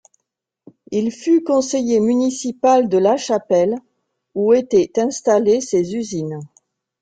Il fut conseiller municipal de La Chapelle, où étaient installées ses usines.